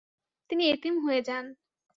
তিনি এতিম হয়ে যান।